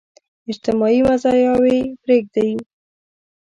اجتماعي مزاياوې پرېږدي.